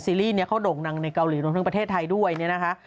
รีส์เนี่ยเขาโด่งดังในเกาหลีรวมทั้งประเทศไทยด้วยเนี่ยนะคะ